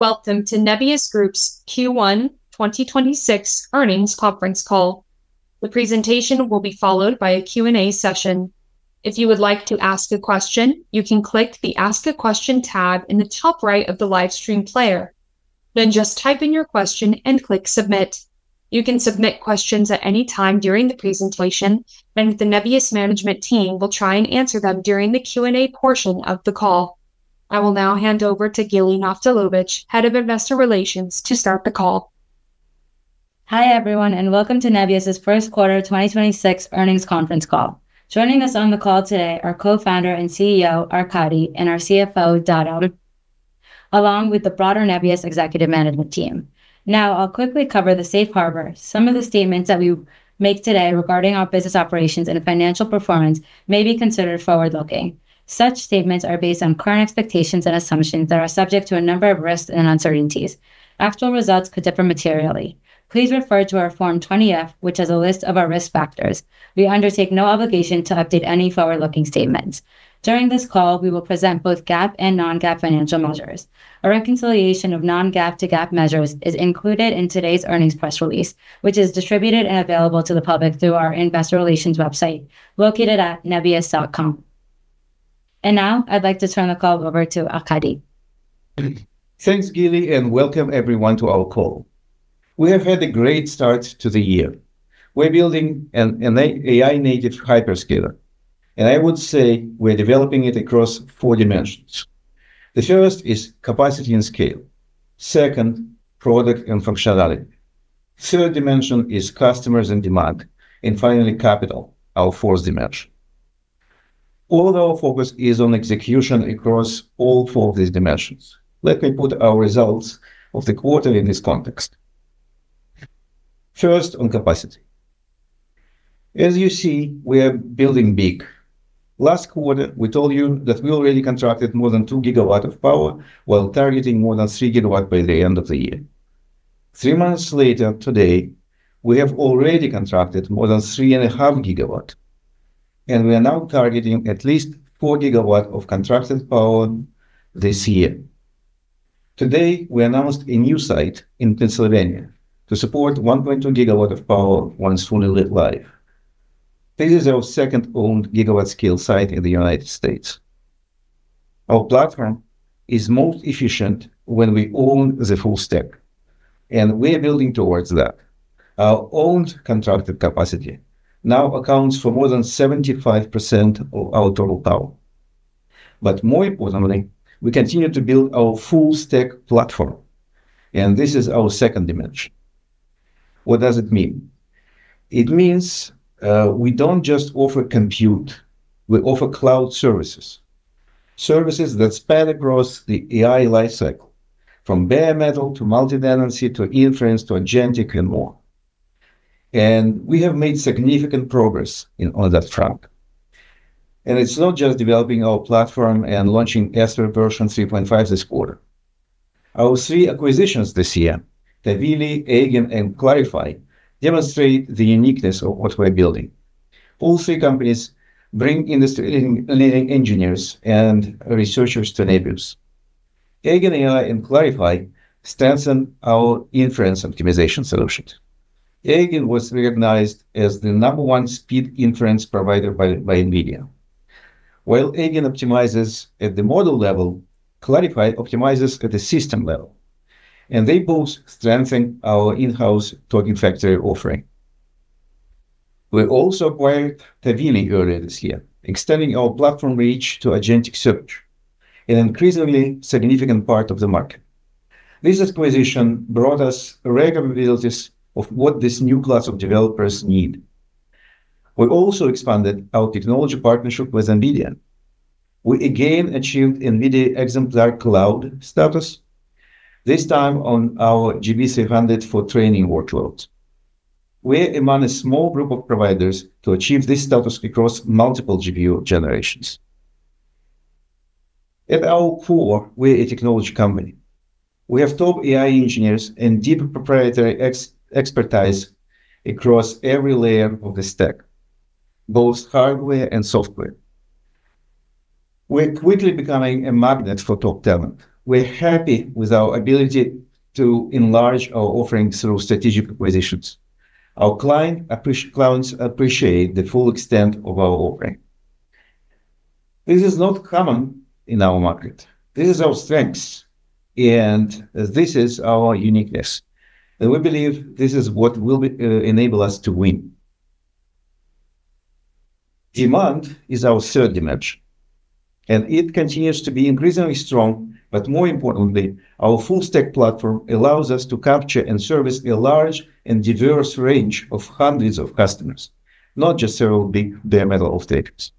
Welcome to Nebius Group's Q1 2026 earnings conference call. The presentation will be followed by a Q&A session. If you would like to ask a question, you can click the Ask a Question tab in the top right of the live stream player. Just type in your question and click Submit. You can submit questions at any time during the presentation, and the Nebius management team will tryand answer them during the Q&A portion of the call. I will now hand over to Gili Naftalovich, Head of Investor Relations, to start the call. Hi, everyone, and welcome to Nebius' first quarter 2026 earnings conference call. Joining us on the call today are Co-founder and CEO, Arkady, and our CFO, Dado, along with the broader Nebius executive management team. Now, I'll quickly cover the safe harbor. Some of the statements that we make today regarding our business operations and financial performance may be considered forward-looking. Such statements are based on current expectations and assumptions that are subject to a number of risks and uncertainties. Actual results could differ materially. Please refer to our Form 20-F, which has a list of our risk factors. We undertake no obligation to update any forward-looking statements. During this call, we will present both GAAP and non-GAAP financial measures. A reconciliation of non-GAAP to GAAP measures is included in today's earnings press release, which is distributed and available to the public through our investor relations website located at nebius.com. Now I'd like to turn the call over to Arkady. Thanks, Gili, and welcome everyone to our call. We have had a great start to the year. We're building an AI-native hyperscaler. I would say we're developing it across four dimensions. The first is capacity and scale. Second, product and functionality. Third dimension is customers and demand. Finally, capital, our fourth dimension. All of our focus is on execution across all four of these dimensions. Let me put our results of the quarter in this context. First, on capacity. As you see, we are building big. Last quarter, we told you that we already contracted more than 2 GW of power while targeting more than 3 GW by the end of the year. Three months later today, we have already contracted more than 3.5 GW. We are now targeting at least 4 GW of contracted power this year. Today, we announced a new site in Pennsylvania to support 1.2 GW of power once fully lit live. This is our second owned gigawatt scale site in the United States. Our platform is most efficient when we own the full stack, and we are building towards that. Our owned contracted capacity now accounts for more than 75% of our total power. More importantly, we continue to build our full stack platform, and this is our second dimension. What does it mean? It means, we don't just offer compute, we offer cloud services. Services that span across the AI lifecycle, from bare metal to multi-tenancy to inference to agentic and more. We have made significant progress in on that front. It's not just developing our platform and launching Aster version 3.5 this quarter. Our three acquisitions this year, Tavily, Eigen AI, and Clarifai demonstrate the uniqueness of what we're building. All three companies bring industry leading engineers and researchers to Nebius. Eigen AI and Clarifai strengthen our inference optimization solutions. Eigen AI was recognized as the number one speed inference provider by NVIDIA. While Eigen AI optimizes at the model level, Clarifai optimizes at the system level, and they both strengthen our in-house Token Factory offering. We also acquired Tavily earlier this year, extending our platform reach to agentic search, an increasingly significant part of the market. This acquisition brought us a rare capabilities of what this new class of developers need. We also expanded our technology partnership with NVIDIA. We again achieved NVIDIA Exemplar Cloud status, this time on our GB300 for training workloads. We're among a small group of providers to achieve this status across multiple GPU generations. At our core, we're a technology company. We have top AI engineers and deep proprietary expertise across every layer of the stack, both hardware and software. We're quickly becoming a magnet for top talent. We're happy with our ability to enlarge our offering through strategic acquisitions. Our clients appreciate the full extent of our offering. This is not common in our market. This is our strengths, and this is our uniqueness. We believe this is what will enable us to win. Demand is our third dimension, and it continues to be increasingly strong, but more importantly, our full stack platform allows us to capture and service a large and diverse range of hundreds of customers, not just several big bare metal of takers.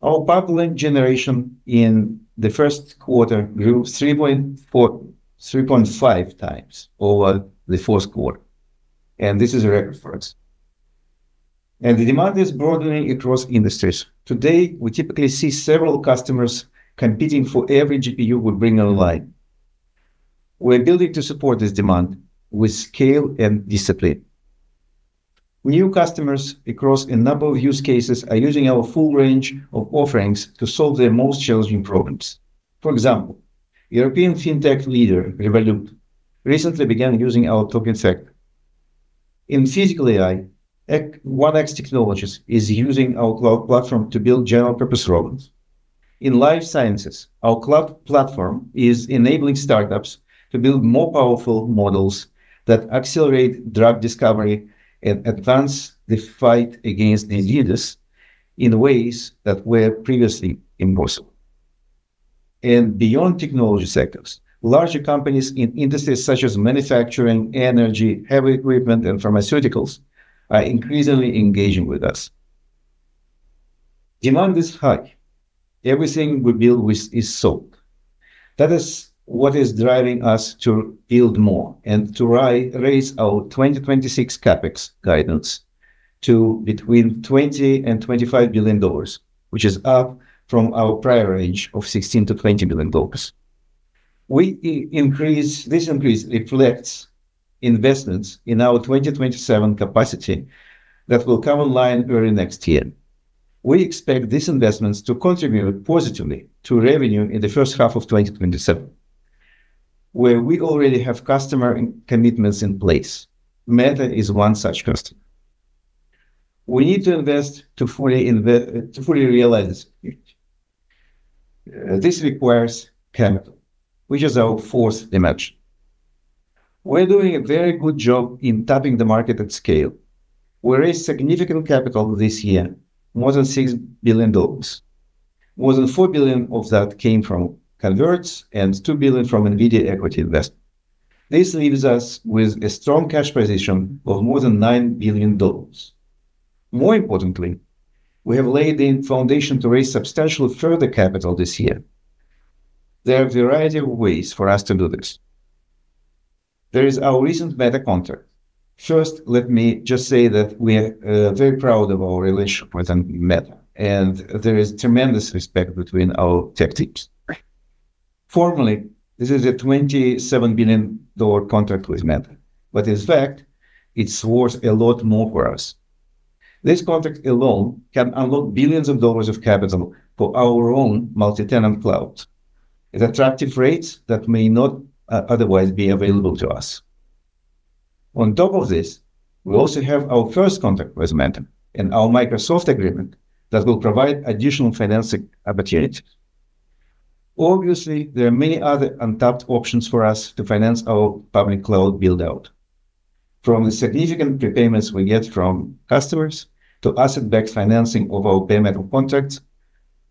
Our pipeline generation in the first quarter grew 3.4x, 3.5x over the fourth quarter. This is a record for us. The demand is broadening across industries. Today, we typically see several customers competing for every GPU we bring online. We're building to support this demand with scale and discipline. New customers across a number of use cases are using our full range of offerings to solve their most challenging problems. For example, European FinTech leader, Revolut, recently began using our Token Factory. In physical AI, 1X Technologies is using our cloud platform to build general purpose robots. In life sciences, our cloud platform is enabling startups to build more powerful models that accelerate drug discovery and advance the fight against diseases in ways that were previously impossible. Beyond technology sectors, larger companies in industries such as manufacturing, energy, heavy equipment, and pharmaceuticals are increasingly engaging with us. Demand is high. Everything we build with is sold. That is what is driving us to build more and to raise our 2026 CapEx guidance to between $20 billion and $25 billion, which is up from our prior range of $16 billion-$20 billion. This increase reflects investments in our 2027 capacity that will come online early next year. We expect these investments to contribute positively to revenue in the first half of 2027, where we already have customer and commitments in place. Meta is one such customer. We need to invest to fully realize it. This requires capital, which is our fourth dimension. We're doing a very good job in tapping the market at scale. We raised significant capital this year, more than $6 billion. More than $4 billion of that came from converts and $2 billion from NVIDIA equity investment. This leaves us with a strong cash position of more than $9 billion. More importantly, we have laid the foundation to raise substantial further capital this year. There are a variety of ways for us to do this. There is our recent Meta contract. First, let me just say that we're very proud of our relationship with Meta, and there is tremendous respect between our tech teams. Formally, this is a $27 billion contract with Meta, but in fact, it's worth a lot more for us. This contract alone can unlock billions of dollars of capital for our own multi-tenant cloud at attractive rates that may not otherwise be available to us. On top of this, we also have our first contract with Meta and our Microsoft agreement that will provide additional financing opportunities. Obviously, there are many other untapped options for us to finance our public cloud build-out, from the significant prepayments we get from customers to asset-backed financing of our paymaster contracts,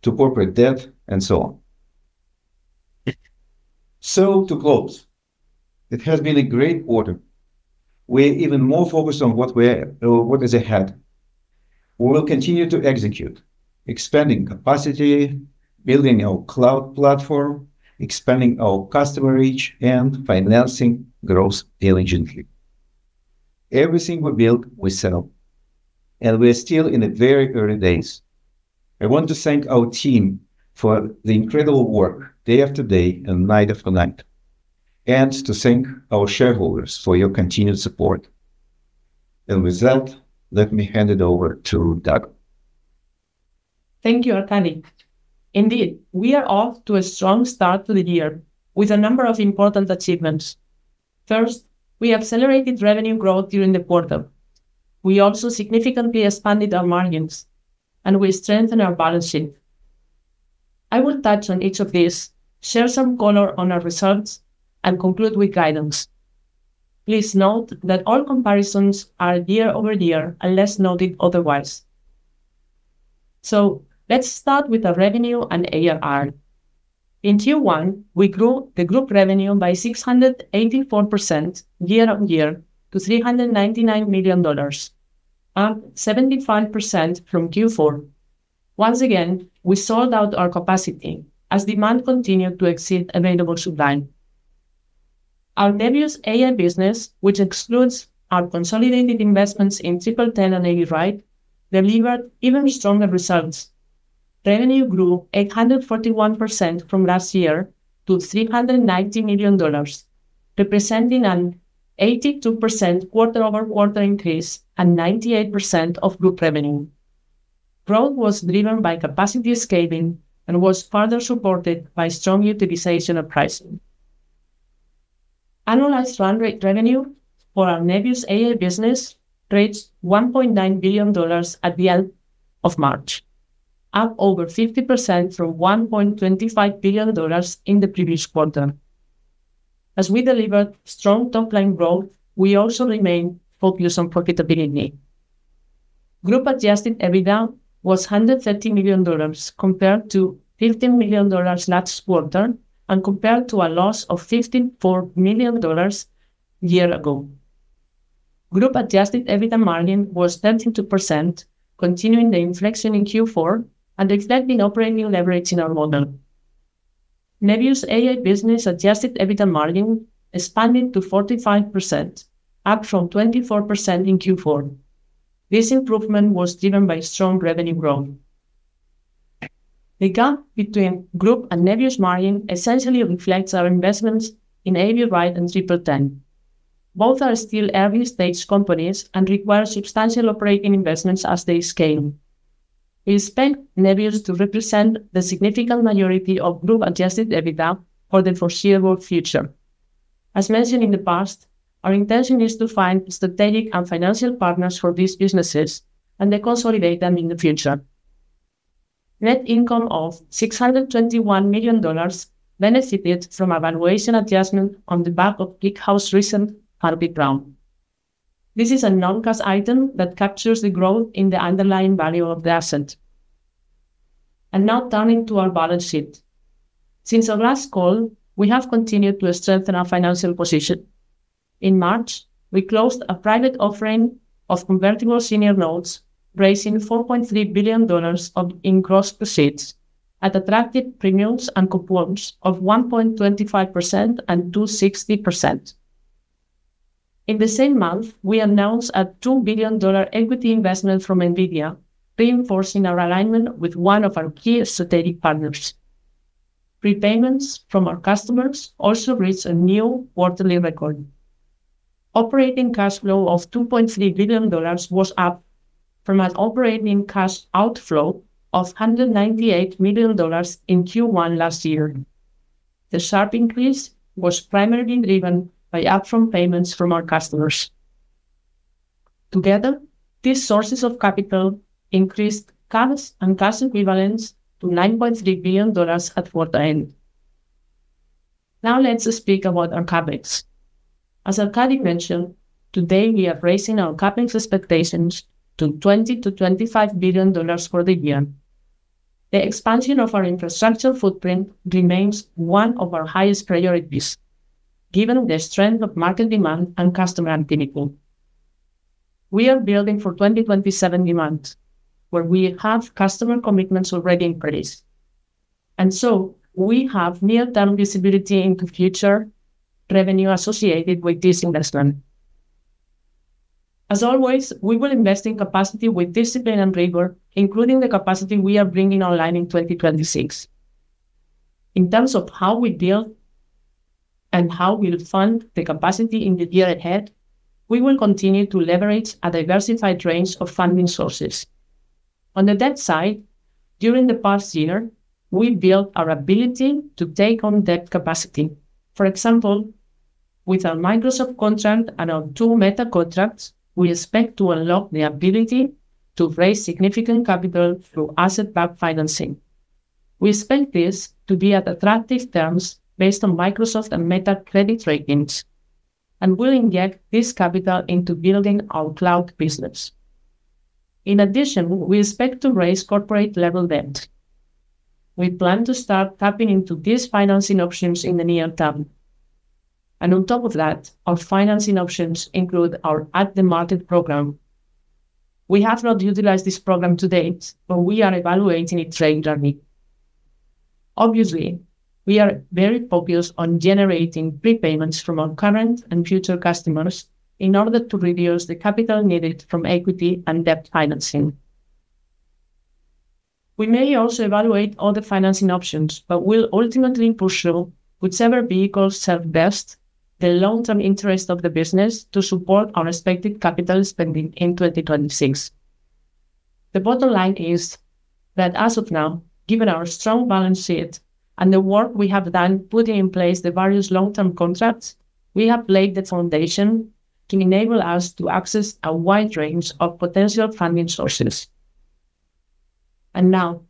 to corporate debt, and so on. To close, it has been a great quarter. We're even more focused on what is ahead. We will continue to execute, expanding capacity, building our cloud platform, expanding our customer reach, and financing growth diligently. Everything we build, we sell, and we are still in the very early days. I want to thank our team for the incredible work day after day and night after night, and to thank our shareholders for your continued support. With that, let me hand it over to Dado. Thank you, Arkady. Indeed, we are off to a strong start to the year with a number of important achievements. First, we accelerated revenue growth during the quarter. We also significantly expanded our margins, and we strengthened our balance sheet. I will touch on each of these, share some color on our results, and conclude with guidance. Please note that all comparisons are year-over-year unless noted otherwise. Let's start with our revenue and ARR. In Q1, we grew the group revenue by 684% year-on-year to $399 million, up 75% from Q4. Once again, we sold out our capacity as demand continued to exceed available supply. Our Nebius AI business, which excludes our consolidated investments in TripleTen and Avride, delivered even stronger results. Revenue grew 841% from last year to $390 million, representing an 82% quarter-over-quarter increase and 98% of Group revenue. Growth was driven by capacity scaling and was further supported by strong utilization of pricing. Annualized run rate revenue for our Nebius AI business reached $1.9 billion at the end of March, up over 50% from $1.25 billion in the previous quarter. We delivered strong top-line growth, we also remain focused on profitability. Group-adjusted EBITDA was $130 million compared to $15 million last quarter and compared to a loss of $54 million a year ago. Group-adjusted EBITDA margin was 13%, continuing the inflection in Q4 and reflecting operating leverage in our model. Nebius' AI business-adjusted EBITDA margin expanded to 45%, up from 24% in Q4. This improvement was driven by strong revenue growth. The gap between group and Nebius margin essentially reflects our investments in Avride and TripleTen. Both are still early-stage companies and require substantial operating investments as they scale. We expect Nebius to represent the significant majority of group-adjusted EBITDA for the foreseeable future. As mentioned in the past, our intention is to find strategic and financial partners for these businesses, deconsolidate them in the future. Net income of $621 million benefited from a valuation adjustment on the back of ClickHouse recent RP round. This is a non-cash item that captures the growth in the underlying value of the asset. Now turning to our balance sheet. Since our last call, we have continued to strengthen our financial position. In March, we closed a private offering of convertible senior notes, raising $4.3 billion in gross proceeds at attractive premiums and coupons of 1.25% and 2.60%. In the same month, we announced a $2 billion equity investment from NVIDIA, reinforcing our alignment with one of our key strategic partners. Prepayments from our customers also reached a new quarterly record. Operating cash flow of $2.3 billion was up from an operating cash outflow of $198 million in Q1 last year. The sharp increase was primarily driven by upfront payments from our customers. Together, these sources of capital increased cash and cash equivalents to $9.3 billion at quarter end. Let's speak about our CapEx. As Arkady mentioned, today we are raising our CapEx expectations to $20 billion-$25 billion for the year. The expansion of our infrastructure footprint remains one of our highest priorities given the strength of market demand and customer activity. We are building for 2027 demands where we have customer commitments already in place. We have near-term visibility into future revenue associated with this investment. As always, we will invest in capacity with discipline and rigor, including the capacity we are bringing online in 2026. In terms of how we build and how we'll fund the capacity in the year ahead, we will continue to leverage a diversified range of funding sources. On the debt side, during the past year, we built our ability to take on debt capacity. For example, with our Microsoft contract and our two Meta contracts, we expect to unlock the ability to raise significant capital through asset-backed financing. We expect this to be at attractive terms based on Microsoft and Meta credit ratings, we'll inject this capital into building our cloud business. In addition, we expect to raise corporate-level debt. We plan to start tapping into these financing options in the near term. On top of that, our financing options include our at-the-market program. We have not utilized this program to date, we are evaluating it regularly. Obviously, we are very focused on generating prepayments from our current and future customers in order to reduce the capital needed from equity and debt financing. We may also evaluate other financing options, but we'll ultimately pursue whichever vehicles serve best the long-term interest of the business to support our expected capital spending in 2026. The bottom line is that as of now, given our strong balance sheet and the work we have done putting in place the various long-term contracts, we have laid the foundation to enable us to access a wide range of potential funding sources. Now,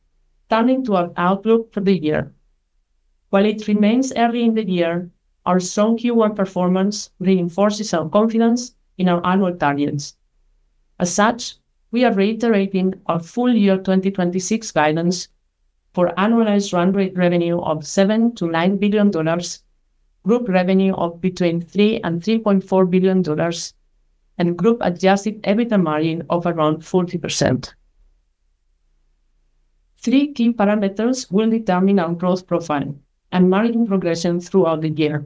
turning to our outlook for the year. While it remains early in the year, our strong Q1 performance reinforces our confidence in our annual targets. As such, we are reiterating our full year 2026 guidance for annualized run rate revenue of $7 billion-$9 billion, group revenue of between $3 billion and $3.4 billion, and group-adjusted EBITDA margin of around 40%. Three key parameters will determine our growth profile and margin progression throughout the year: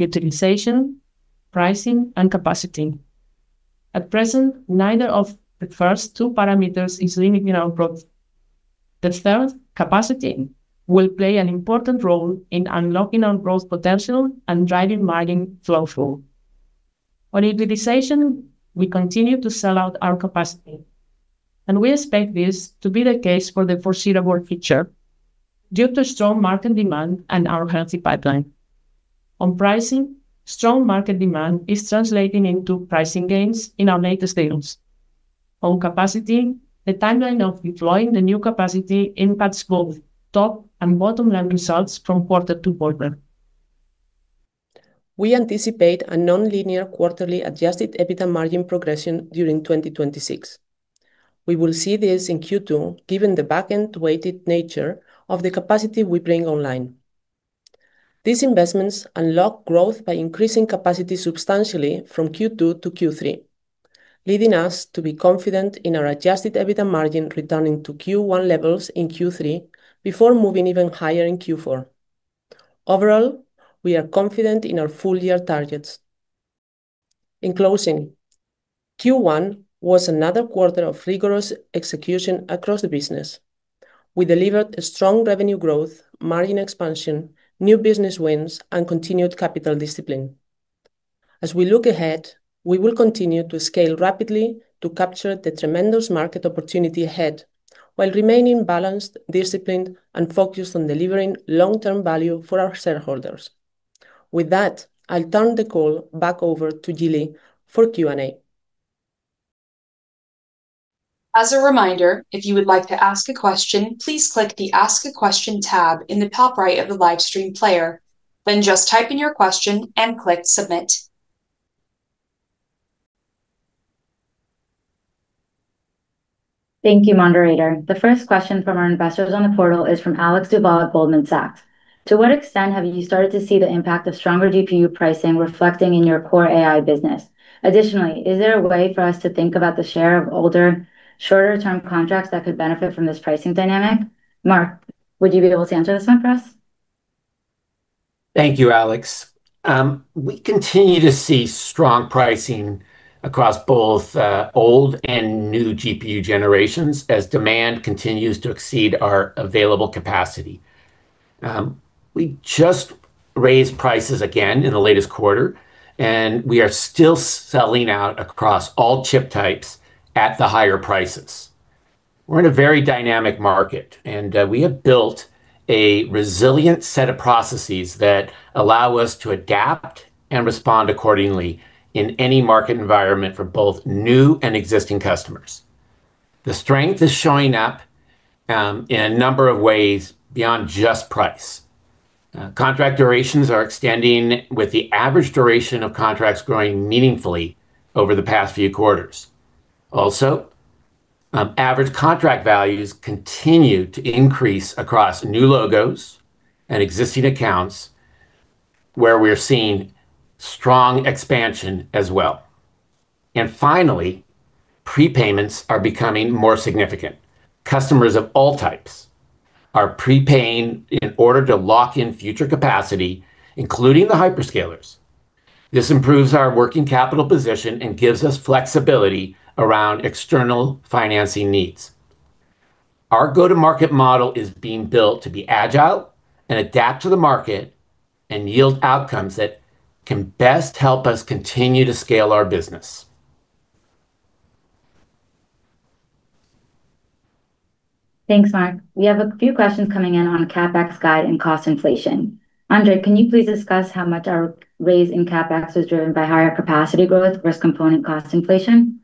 utilization, pricing, and capacity. At present, neither of the first two parameters is limiting our growth. The third, capacity, will play an important role in unlocking our growth potential and driving margin flow-through. On utilization, we continue to sell out our capacity, and we expect this to be the case for the foreseeable future due to strong market demand and our healthy pipeline. On pricing, strong market demand is translating into pricing gains in our latest deals. On capacity, the timeline of deploying the new capacity impacts both top and bottom-line results from quarter to quarter. We anticipate a nonlinear quarterly adjusted EBITDA margin progression during 2026. We will see this in Q2 given the backend-weighted nature of the capacity we bring online. These investments unlock growth by increasing capacity substantially from Q2 to Q3, leading us to be confident in our adjusted EBITDA margin returning to Q1 levels in Q3 before moving even higher in Q4. Overall we are confident in our full-year targets. In closing, Q1 was another quarter of rigorous execution across the business. We delivered a strong revenue growth, margin expansion, new business wins, and continued capital discipline. As we look ahead, we will continue to scale rapidly to capture the tremendous market opportunity ahead, while remaining balanced, disciplined, and focused on delivering long-term value for our shareholders. With that, I'll turn the call back over to Gili for Q&A. As a reminder, if you would like to ask a question, please click the Ask a Question tab in the top right of the live stream player, then just type in your question and click Submit. Thank you, moderator. The first question from our investors on the portal is from Alex Dubov, Goldman Sachs. To what extent have you started to see the impact of stronger GPU pricing reflecting in your core AI business? Additionally, is there a way for us to think about the share of older, shorter-term contracts that could benefit from this pricing dynamic? Marc, would you be able to answer this one for us? Thank you, Alex. We continue to see strong pricing across both old and new GPU generations as demand continues to exceed our available capacity. We just raised prices again in the latest quarter, and we are still selling out across all chip types at the higher prices. We're in a very dynamic market, and we have built a resilient set of processes that allow us to adapt and respond accordingly in any market environment for both new and existing customers. The strength is showing up in a number of ways beyond just price. Contract durations are extending, with the average duration of contracts growing meaningfully over the past few quarters. Also, average contract values continue to increase across new logos and existing accounts, where we are seeing strong expansion as well. Finally, prepayments are becoming more significant. Customers of all types are prepaying in order to lock in future capacity, including the hyperscalers. This improves our working capital position and gives us flexibility around external financing needs. Our go-to-market model is being built to be agile and adapt to the market and yield outcomes that can best help us continue to scale our business. Thanks, Marc. We have a few questions coming in on CapEx guide and cost inflation. Andrey, can you please discuss how much our raise in CapEx is driven by higher capacity growth versus component cost inflation?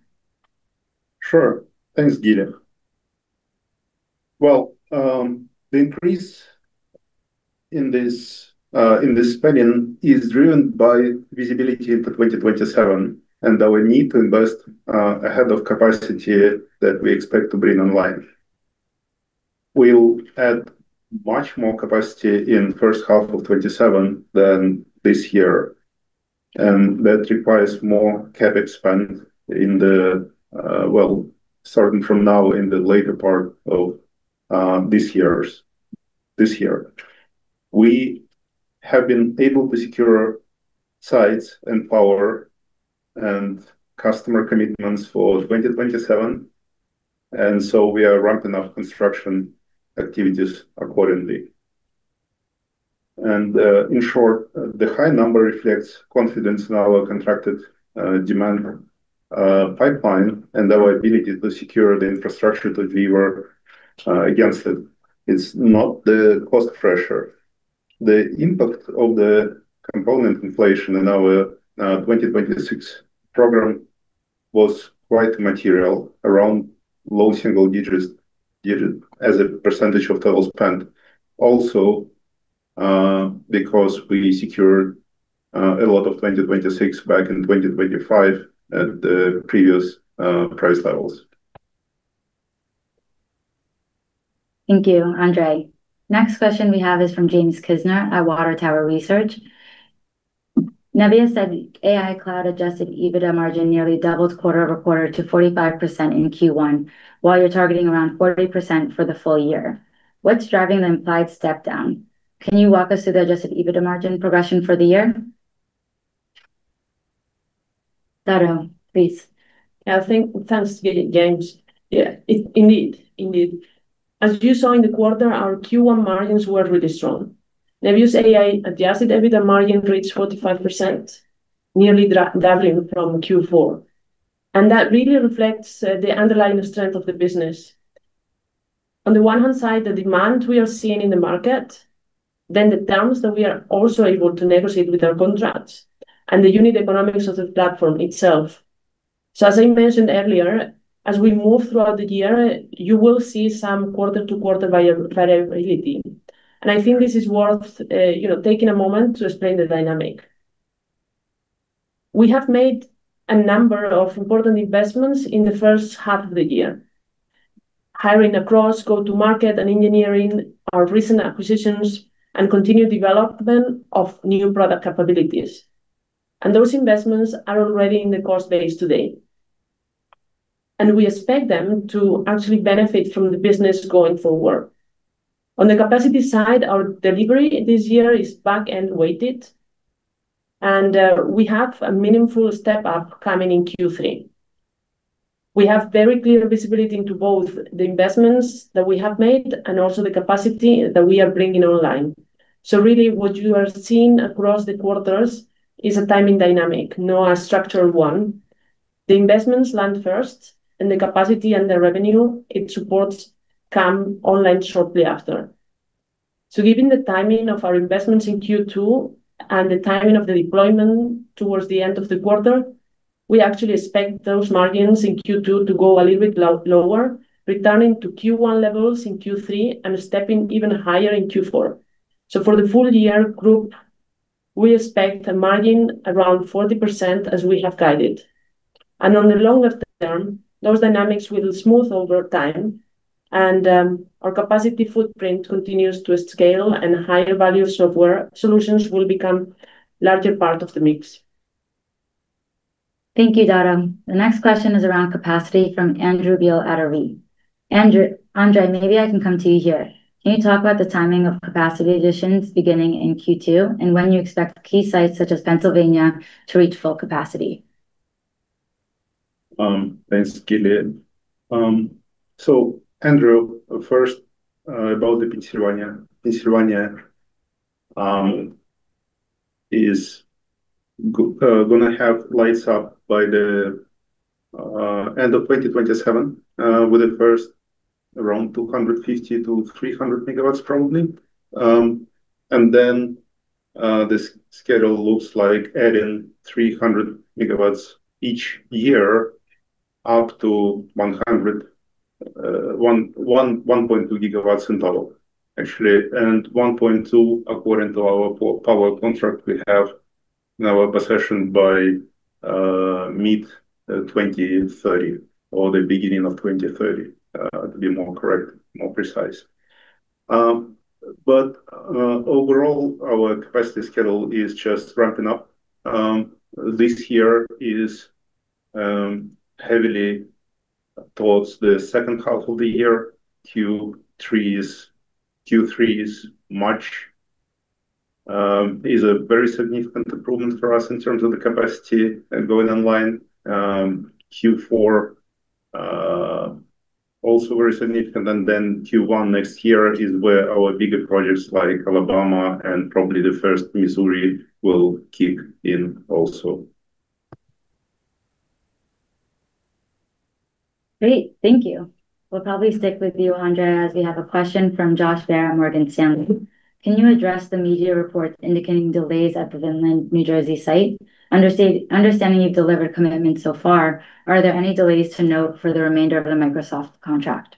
Sure. Thanks, Gili. Well, the increase in this spending is driven by visibility into 2027, and our need to invest ahead of capacity that we expect to bring online. We'll add much more capacity in first half of 2027 than this year, that requires more CapEx spend in the, well, starting from now in the later part of this year. We have been able to secure sites and power and customer commitments for 2027, we are ramping up construction activities accordingly. In short, the high number reflects confidence in our contracted demand pipeline and our ability to secure the infrastructure to deliver against it. It's not the cost pressure. The impact of the component inflation in our 2026 program was quite material around low single digits as a percentage of total spend. Because we secured a lot of 2026 back in 2025 at the previous price levels. Thank you, Andrey. Next question we have is from James Kisner at Water Tower Research. Nebius said AI cloud-adjusted EBITDA margin nearly doubled quarter-over-quarter to 45% in Q1, while you're targeting around 40% for the full year. What's driving the implied step down? Can you walk us through the adjusted EBITDA margin progression for the year? Dado, please. Thanks, James. Indeed, indeed. As you saw in the quarter, our Q1 margins were really strong. Nebius AI-adjusted EBITDA margin reached 45%, nearly doubling from Q4. That really reflects the underlying strength of the business. On the one hand side, the demand we are seeing in the market, the terms that we are also able to negotiate with our contracts and the unique economics of the platform itself. As I mentioned earlier, as we move throughout the year, you will see some quarter-to-quarter variability. I think this is worth, you know, taking a moment to explain the dynamic. We have made a number of important investments in the first half of the year. Hiring across go-to-market and engineering, our recent acquisitions, and continued development of new product capabilities. Those investments are already in the cost base today. And we expect them to actually benefit from the business going forward. On the capacity side, our delivery this year is back-end weighted, and we have a meaningful step up coming in Q3. We have very clear visibility into both the investments that we have made and also the capacity that we are bringing online. Really, what you are seeing across the quarters is a timing dynamic, not a structural one. The investments land first, and the capacity and the revenue it supports come online shortly after. Given the timing of our investments in Q2 and the timing of the deployment towards the end of the quarter, we actually expect those margins in Q2 to go a little bit lower, returning to Q1 levels in Q3, and stepping even higher in Q4. For the full year group, we expect a margin around 40% as we have guided. On the longer term, those dynamics will smooth over time and our capacity footprint continues to scale and higher value software solutions will become larger part of the mix. Thank you, Dado. The next question is around capacity from Andrew Beale at Arete. Andrew, Andrey, maybe I can come to you here. Can you talk about the timing of capacity additions beginning in Q2, and when you expect key sites such as Pennsylvania to reach full capacity? Thanks, Gili. Andrew, first, about the Pennsylvania. Pennsylvania is gonna have lights up by the end of 2027 with the first around 250 MW-300 MW probably. Then the schedule looks like adding 300 MW each year up to 1.2 GW in total. Actually, 1.2 GW according to our power contract we have in our possession by mid 2030 or the beginning of 2030, to be more correct, more precise. Overall, our capacity schedule is just ramping up. This year is heavily towards the second half of the year. Q3s March is a very significant improvement for us in terms of the capacity going online. Q4, also very significant. Q1 next year is where our bigger projects like Alabama and probably the first Missouri will kick in also. Great. Thank you. We'll probably stick with you, Andrey, as we have a question from Josh Baer, Morgan Stanley. Can you address the media reports indicating delays at the Vineland, New Jersey site? Understanding you've delivered commitments so far, are there any delays to note for the remainder of the Microsoft contract?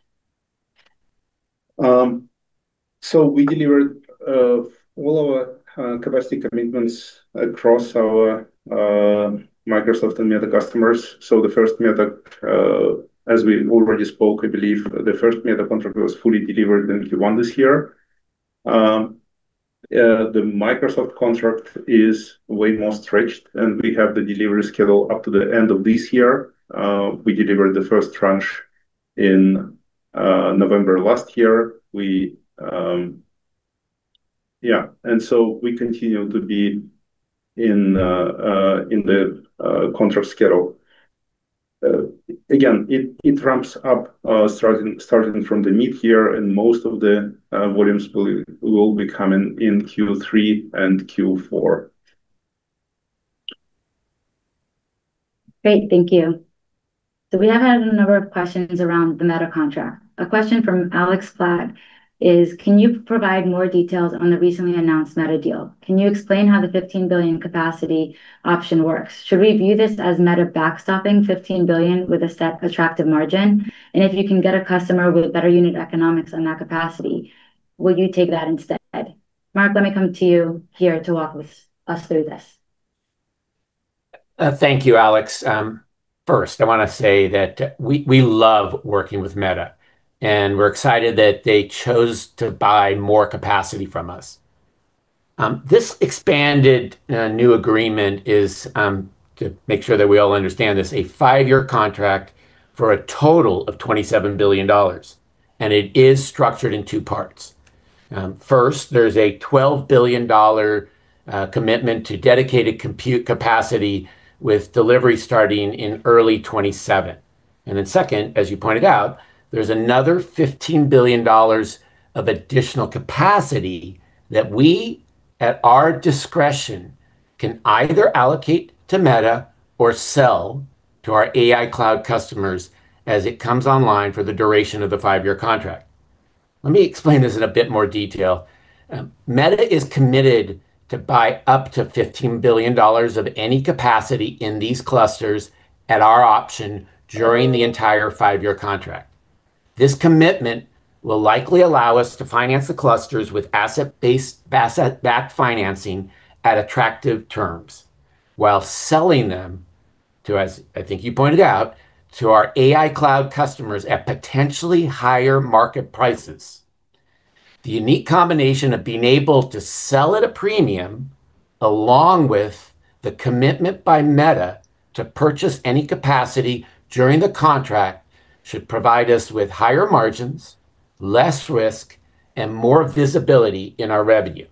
We delivered all our capacity commitments across our Microsoft and Meta customers. The first Meta, as we already spoke, I believe the first Meta contract was fully delivered in Q1 this year. The Microsoft contract is way more stretched, and we have the delivery schedule up to the end of this year. We delivered the first tranche in November last year. We continue to be in the contract schedule. Again, it ramps up starting from the mid-year and most of the volumes will be coming in Q3 and Q4. Great. Thank you. We have had a number of questions around the Meta contract. A question from Alex Platt is: Can you provide more details on the recently announced Meta deal? Can you explain how the $15 billion capacity option works? Should we view this as Meta backstopping $15 billion with a set attractive margin? If you can get a customer with better unit economics on that capacity, will you take that instead? Marc, let me come to you here to walk us through this. Thank you, Alex. First, I wanna say that we love working with Meta, and we're excited that they chose to buy more capacity from us. This expanded new agreement is to make sure that we all understand this, a five year contract for a total of $27 billion, and it is structured in two parts. First, there's a $12 billion commitment to dedicated compute capacity with delivery starting in early 2027. Second, as you pointed out, there's another $15 billion of additional capacity that we, at our discretion, can either allocate to Meta or sell to our AI Cloud customers as it comes online for the duration of the five year contract. Let me explain this in a bit more detail. Meta is committed to buy up to $15 billion of any capacity in these clusters at our option during the entire five-year contract. This commitment will likely allow us to finance the clusters with asset-backed financing at attractive terms, while selling them to, as I think you pointed out, to our AI Cloud customers at potentially higher market prices. The unique combination of being able to sell at a premium along with the commitment by Meta to purchase any capacity during the contract should provide us with higher margins, less risk, and more visibility in our revenue.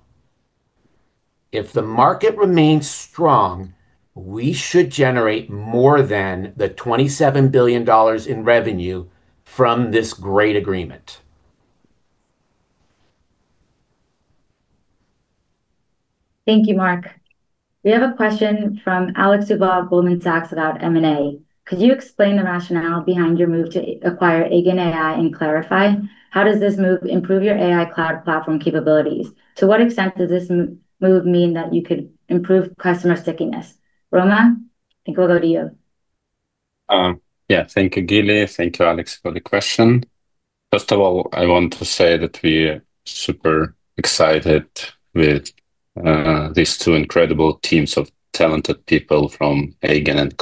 If the market remains strong, we should generate more than the $27 billion in revenue from this great agreement. Thank you, Marc. We have a question from Alex Dubov, Goldman Sachs, about M&A. Could you explain the rationale behind your move to acquire Eigen AI and Clarifai? How does this move improve your AI cloud platform capabilities? To what extent does this move mean that you could improve customer stickiness? Roman, I think we'll go to you. Yeah. Thank you, Gili. Thank you, Alex, for the question. First of all, I want to say that we're super excited with these two incredible teams of talented people from Eigen and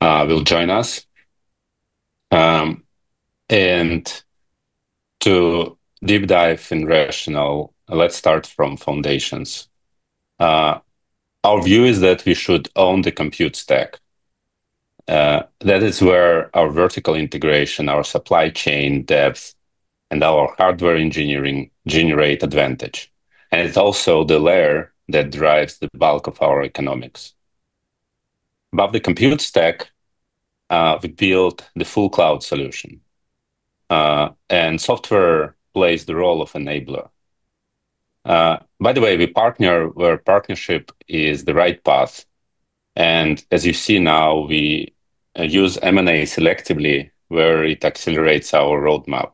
Clarifai will join us. To deep dive in rationale, let's start from foundations. Our view is that we should own the compute stack. That is where our vertical integration, our supply chain depth, and our hardware engineering generate advantage, and it's also the layer that drives the bulk of our economics. Above the compute stack, we build the full cloud solution, and software plays the role of enabler. By the way, we partner where partnership is the right path, and as you see now, we use M&A selectively where it accelerates our roadmap,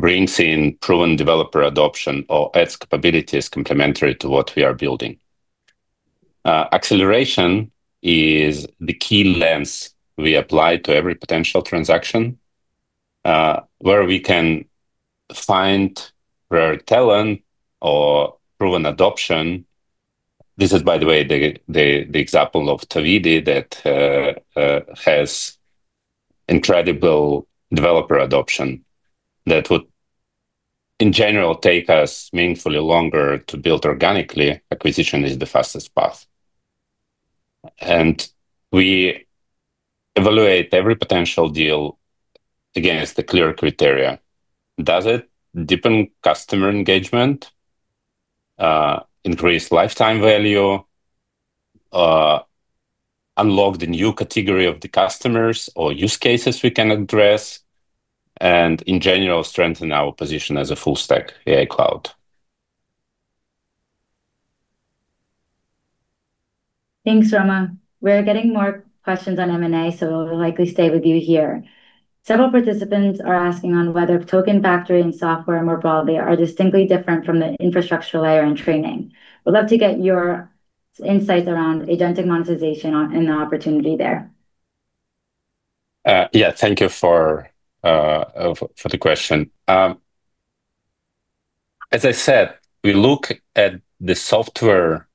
brings in proven developer adoption, or adds capabilities complementary to what we are building. Acceleration is the key lens we apply to every potential transaction, where we can find rare talent or proven adoption. This is, by the way, the example of Tavily that has incredible developer adoption that would, in general, take us meaningfully longer to build organically. Acquisition is the fastest path. We evaluate every potential deal against the clear criteria. Does it deepen customer engagement, increase lifetime value, unlock the new category of the customers or use cases we can address, and in general, strengthen our position as a full stack AI cloud? Thanks, Roman. We're getting more questions on M&A, so we'll likely stay with you here. Several participants are asking on whether Token Factory and software more broadly are distinctly different from the infrastructure layer and training. Would love to get your insights around agentic monetization and the opportunity there. Yeah. Thank you for the question. As I said, we look at the software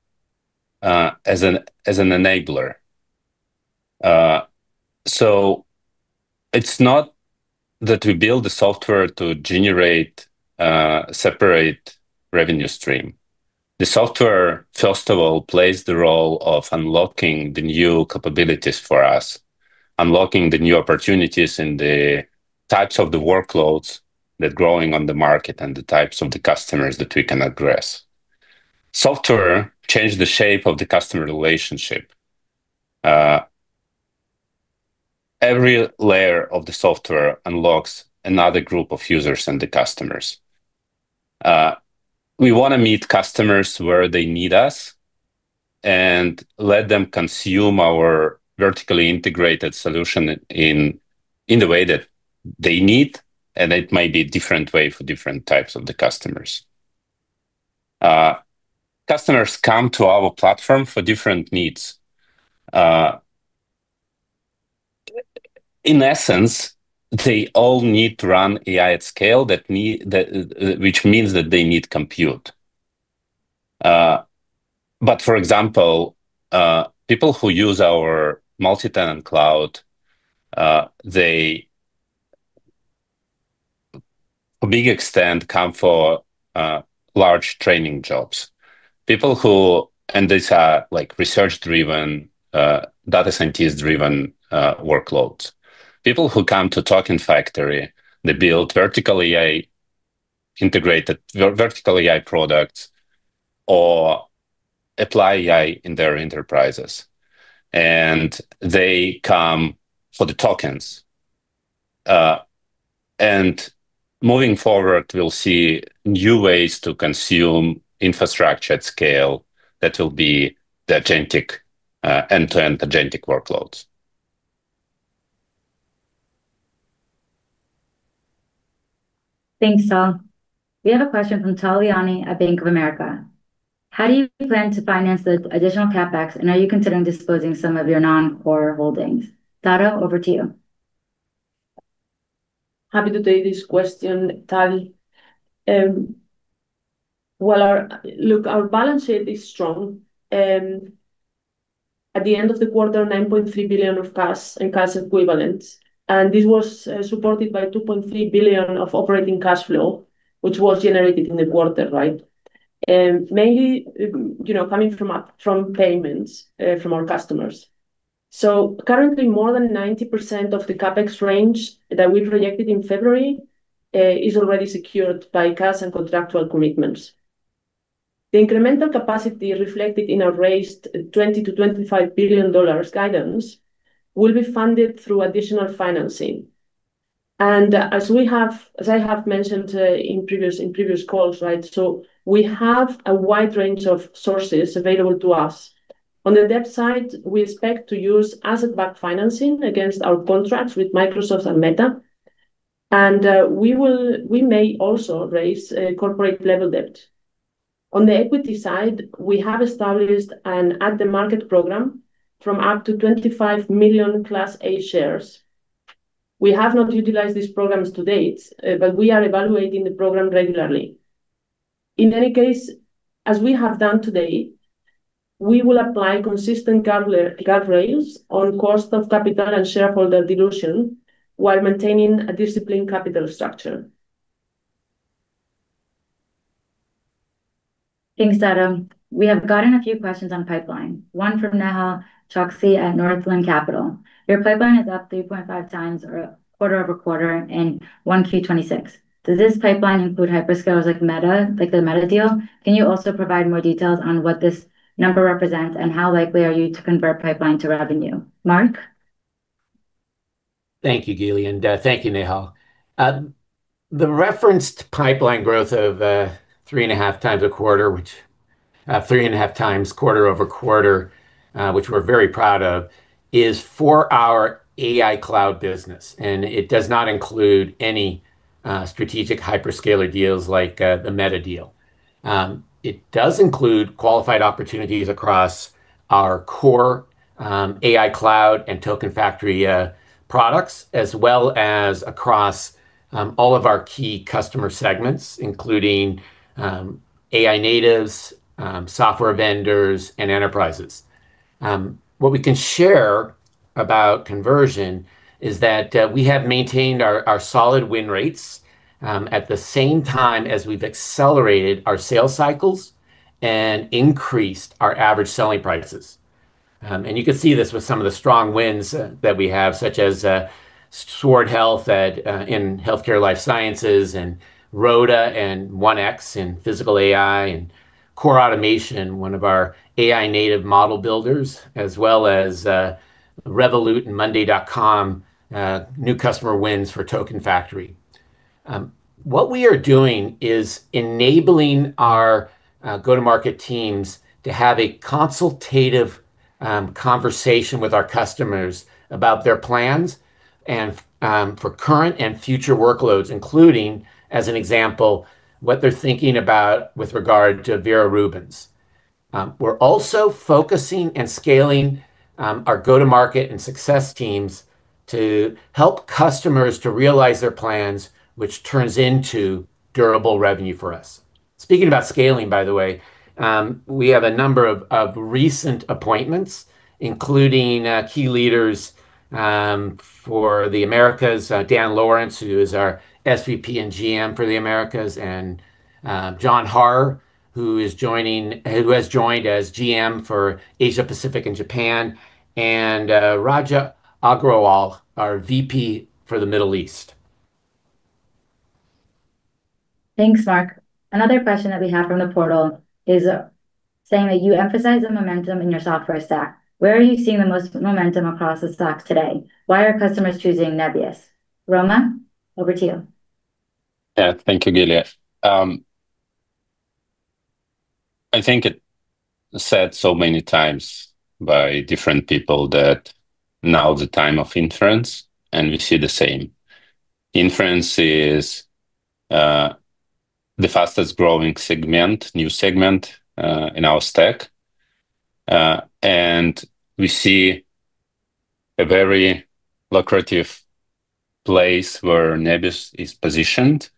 as an enabler. It's not that we build the software to generate a separate revenue stream. The software, first of all, plays the role of unlocking the new capabilities for us, unlocking the new opportunities and the types of the workloads that growing on the market and the types of the customers that we can address. Software change the shape of the customer relationship. Every layer of the software unlocks another group of users and the customers. We wanna meet customers where they need us and let them consume our vertically integrated solution in the way that they need, and it may be a different way for different types of the customers. Customers come to our platform for different needs. In essence, they all need to run AI at scale, which means that they need compute. For example, people who use our multi-tenant cloud, they to a big extent come for large training jobs. These are, like, research-driven, data scientist-driven workloads. People who come to Token Factory, they build vertical AI vertical AI products or apply AI in their enterprises, they come for the tokens. Moving forward, we'll see new ways to consume infrastructure at scale that will be the agentic, end-to-end agentic workloads. Thanks, all. We have a question from Tal Liani at Bank of America. How do you plan to finance the additional CapEx, and are you considering disposing some of your non-core holdings? Dado, over to you. Happy to take this question, Tal. Well, our, look, our balance sheet is strong. At the end of the quarter, $9.3 billion of cash and cash equivalents, and this was supported by $2.3 billion of operating cash flow, which was generated in the quarter, right? Mainly, you know, coming from payments from our customers. Currently more than 90% of the CapEx range that we projected in February is already secured by cash and contractual commitments. The incremental capacity reflected in our raised $20 billion-$25 billion guidance will be funded through additional financing. As I have mentioned in previous calls, right? We have a wide range of sources available to us. On the debt side, we expect to use asset-backed financing against our contracts with Microsoft and Meta. We may also raise corporate level debt. On the equity side, we have established an at the market program from up to $25 million Class A shares. We have not utilized these programs to date, we are evaluating the program regularly. In any case, as we have done today, we will apply consistent guardrails on cost of capital and shareholder dilution while maintaining a disciplined capital structure. Thanks, Dado. We have gotten a few questions on pipeline. One from Nehal Chokshi at Northland Capital. Your pipeline is up 3.5x or quarter-over-quarter in 1Q 2026. Does this pipeline include hyperscalers like Meta, like the Meta deal? Can you also provide more details on what this number represents, and how likely are you to convert pipeline to revenue? Marc? Thank you, Gili. Thank you, Nehal. The referenced pipeline growth of 3.5x a quarter, which 3.5x quarter-over-quarter, which we're very proud of, is for our AI cloud business. It does not include any strategic hyperscaler deals like the Meta deal. It does include qualified opportunities across our core AI Cloud and Token Factory products, as well as across all of our key customer segments, including AI natives, software vendors, and enterprises. What we can share about conversion is that we have maintained our solid win rates at the same time as we've accelerated our sales cycles and increased our average selling prices. You can see this with some of the strong wins that we have, such as Sword Health at in healthcare life sciences, and Rhoda AI and 1X in physical AI, and Core Automation, one of our AI native model builders, as well as Revolut and monday.com, new customer wins for Token Factory. What we are doing is enabling our go-to-market teams to have a consultative conversation with our customers about their plans and for current and future workloads, including, as an example, what they're thinking about with regard to Vera Rubin. We're also focusing and scaling our go-to-market and success teams to help customers to realize their plans, which turns into durable revenue for us. Speaking about scaling, by the way, we have a number of recent appointments, including key leaders for the Americas, Dan Lawrence, who is our SVP and GM for the Americas, and John Haarer, who has joined as GM for Asia Pacific and Japan, and Raja Agrawal, our VP for the Middle East. Thanks, Marc. Another question that we have from the portal is saying that you emphasize the momentum in your software stack. Where are you seeing the most momentum across the stack today? Why are customers choosing Nebius? Roman, over to you. Yeah. Thank you, Gili. I think it said so many times by different people that now is the time of inference, and we see the same. Inference is the fastest-growing segment, new segment, in our stack. We see a very lucrative place where Nebius is positioned.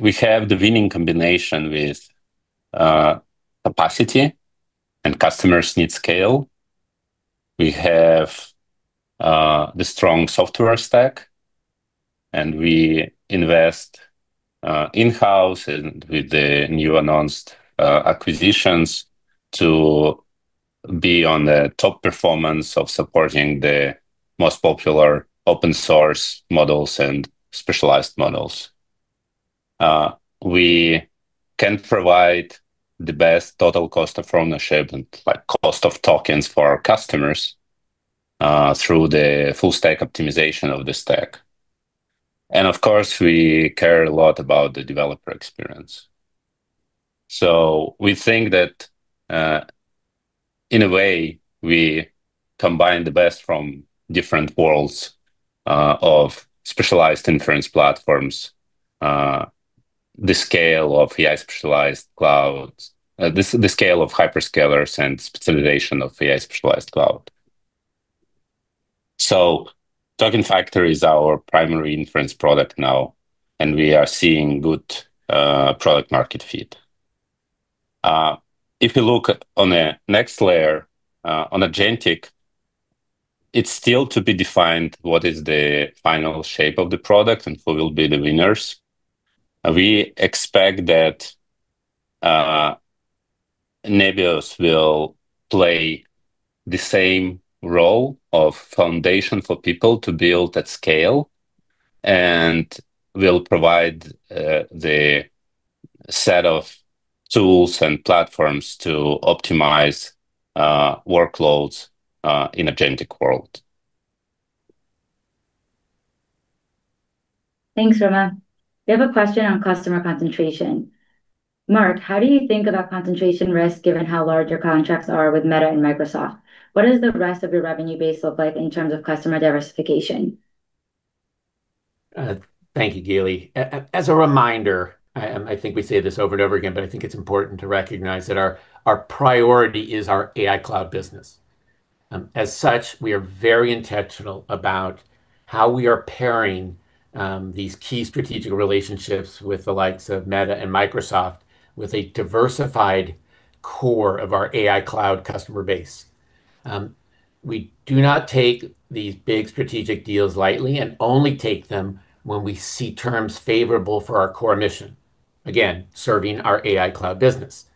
We have the winning combination with capacity and customers need scale. We have the strong software stack, and we invest in-house and with the new announced acquisitions to be on the top performance of supporting the most popular open source models and specialized models. We can provide the best total cost of ownership and like cost of tokens for our customers through the full stack optimization of the stack. Of course, we care a lot about the developer experience. We think that, in a way, we combine the best from different worlds, of specialized inference platforms, the scale of AI specialized clouds, the scale of hyperscalers and specialization of AI specialized cloud. Token Factory is our primary inference product now, and we are seeing good product market fit. If you look on the next layer, on agentic, it's still to be defined what is the final shape of the product and who will be the winners. We expect that Nebius will play the same role of foundation for people to build at scale, and will provide the set of tools and platforms to optimize workloads in agentic world. Thanks, Roman. We have a question on customer concentration. Marc, how do you think about concentration risk given how large your contracts are with Meta and Microsoft? What does the rest of your revenue base look like in terms of customer diversification? Thank you, Gili. As a reminder, I think we say this over and over again, but I think it's important to recognize that our priority is our AI cloud business. As such, we are very intentional about how we are pairing these key strategic relationships with the likes of Meta and Microsoft with a diversified core of our AI cloud customer base. We do not take these big strategic deals lightly, only take them when we see terms favorable for our core mission. Again, serving our AI cloud business.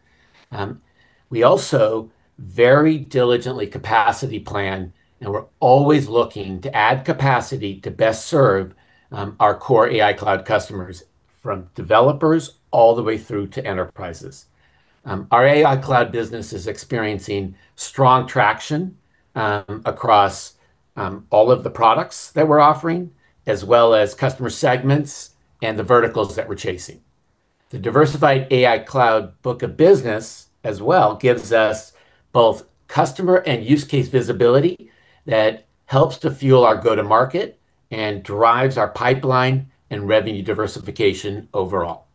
We also very diligently capacity plan, we're always looking to add capacity to best serve our core AI cloud customers, from developers all the way through to enterprises. Our AI Cloud business is experiencing strong traction across all of the products that we're offering, as well as customer segments and the verticals that we're chasing. The diversified AI Cloud book of business as well gives us both customer and use case visibility that helps to fuel our go-to-market and drives our pipeline and revenue diversification overall.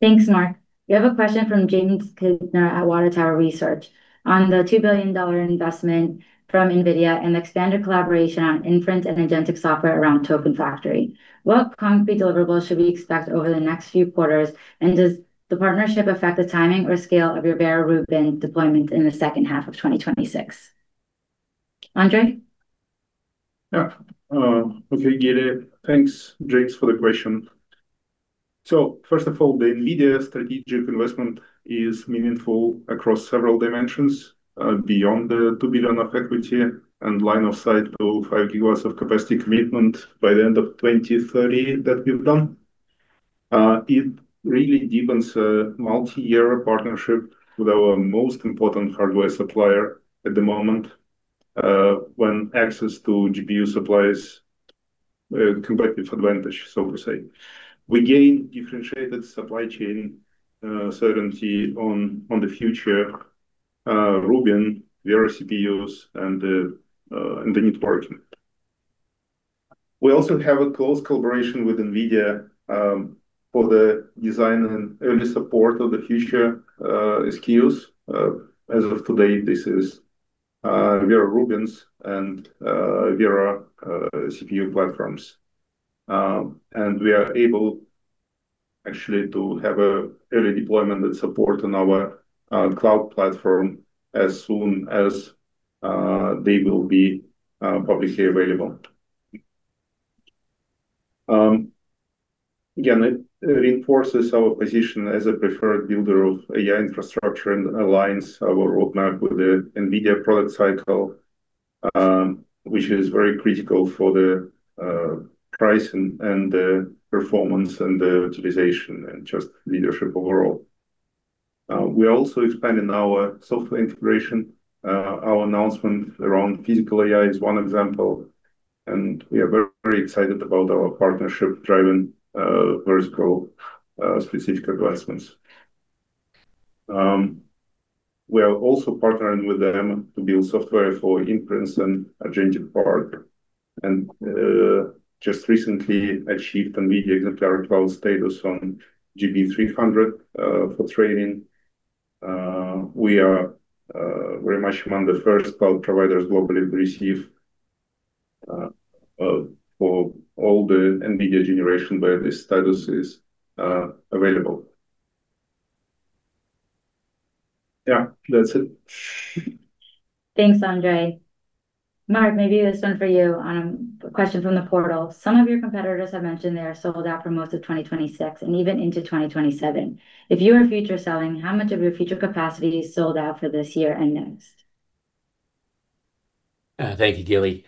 Thanks, Marc. We have a question from James Kisner at Water Tower Research. On the $2 billion investment from NVIDIA and expanded collaboration on inference and agentic software around Token Factory, what concrete deliverables should we expect over the next few quarters, and does the partnership affect the timing or scale of your Vera Rubin deployment in the second half of 2026? Andrey? Okay, Gili. Thanks, James, for the question. First of all, the NVIDIA strategic investment is meaningful across several dimensions, beyond the $2 billion of equity and line of sight to 5 GW of capacity commitment by the end of 2030 that we've done. It really deepens a multi-year partnership with our most important hardware supplier at the moment, when access to GPU supply is a competitive advantage, so to say. We gain differentiated supply chain certainty on the future Rubin, Vera CPUs and the network. We also have a close collaboration with NVIDIA for the design and early support of the future SKUs. As of today, this is Vera Rubin and Vera CPU platforms. We are able actually to have a early deployment and support on our cloud platform as soon as they will be publicly available. Again, it reinforces our position as a preferred builder of AI infrastructure and aligns our roadmap with the NVIDIA product cycle, which is very critical for the price and the performance and the utilization and just leadership overall. We are also expanding our software integration. Our announcement around physical AI is one example, and we are very excited about our partnership driving vertical specific advancements. We are also partnering with them to build software for inference and agentic work, and just recently achieved NVIDIA Exemplar Cloud status on GB300 for training. We are very much among the first cloud providers globally to receive for all the NVIDIA generation where this status is available. Yeah, that's it. Thanks, Andrey. Marc, maybe this one for you on a question from the portal. Some of your competitors have mentioned they are sold out for most of 2026 and even into 2027. If you are future selling, how much of your future capacity is sold out for this year and next? Thank you, Gili.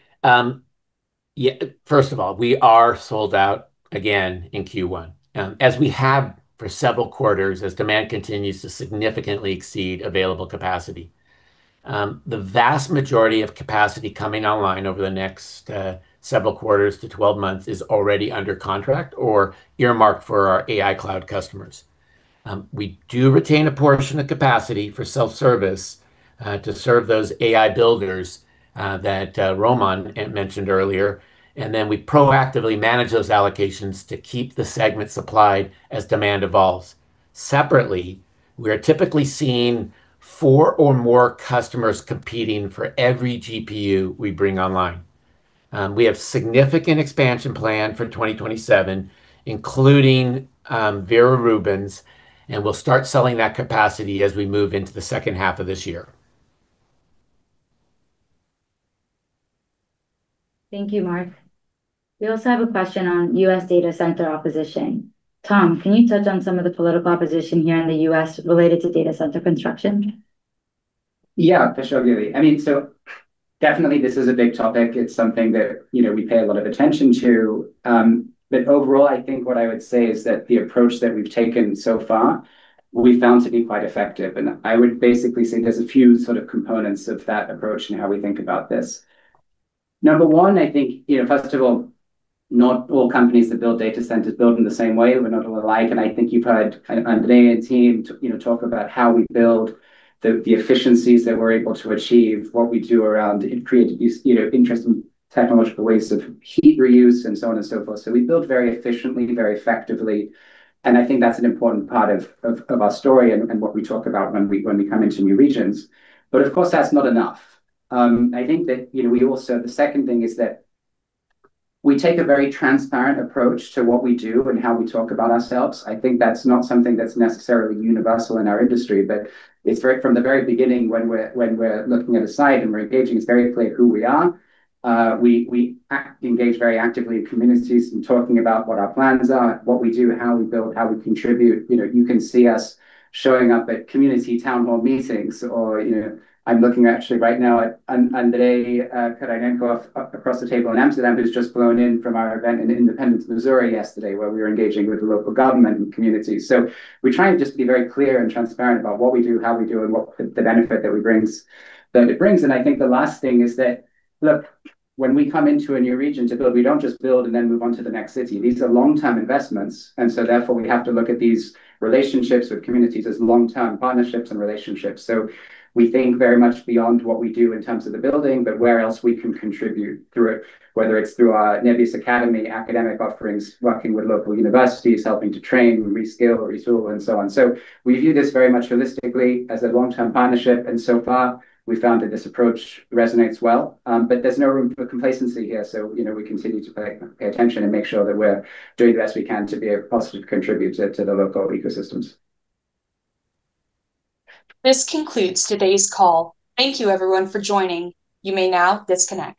First of all, we are sold out again in Q1, as we have for several quarters as demand continues to significantly exceed available capacity. The vast majority of capacity coming online over the next several quarters to 12 months is already under contract or earmarked for our AI cloud customers. We do retain a portion of capacity for self-service to serve those AI builders that Roman mentioned earlier, and then we proactively manage those allocations to keep the segment supplied as demand evolves. Separately, we are typically seeing four or more customers competing for every GPU we bring online. We have significant expansion plan for 2027, including Vera Rubin, and we'll start selling that capacity as we move into the second half of this year. Thank you, Marc. We also have a question on U.S. data center opposition. Tom, can you touch on some of the political opposition here in the U.S. related to data center construction? For sure, Gili. I mean, definitely this is a big topic. It's something that, you know, we pay a lot of attention to. But overall, I think what I would say is that the approach that we've taken so far we found to be quite effective. I would basically say there's a few sort of components of that approach and how we think about this. Number one, I think, you know, first of all, not all companies that build data centers build them the same way. We're not all alike, and I think you've heard kind of Andrey and team, you know, talk about how we build, the efficiencies that we're able to achieve, what we do around creative use, you know, interesting technological ways of heat reuse and so on and so forth. We build very efficiently, very effectively, and I think that's an important part of our story and what we talk about when we, when we come into new regions. Of course, that's not enough. I think that, you know, the second thing is that we take a very transparent approach to what we do and how we talk about ourselves. I think that's not something that's necessarily universal in our industry, but it's right from the very beginning when we're, when we're looking at a site and we're engaging, it's very clear who we are. We engage very actively in communities and talking about what our plans are, what we do, how we build, how we contribute. You know, you can see us showing up at community town hall meetings or, you know. I'm looking actually right now at Andrey Korolenko across the table in Amsterdam, who's just flown in from our event in Independence, Missouri, yesterday, where we were engaging with the local government and community. We try and just be very clear and transparent about what we do, how we do, and what the benefit that it brings. I think the last thing is that, look, when we come into a new region to build, we don't just build and then move on to the next city. These are long-term investments, therefore, we have to look at these relationships with communities as long-term partnerships and relationships. We think very much beyond what we do in terms of the building, but where else we can contribute through it, whether it's through our Nebius Academy academic offerings, working with local universities, helping to train, reskill, retool, and so on. We view this very much holistically as a long-term partnership, and so far, we found that this approach resonates well. There's no room for complacency here, so you know, we continue to pay attention and make sure that we're doing the best we can to be a positive contributor to the local ecosystems. This concludes today's call. Thank you everyone for joining. You may now disconnect.